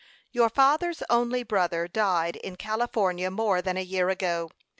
"Your father's only brother died in California more than a year ago.